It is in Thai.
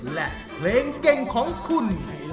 และเพลงเก่งของคุณ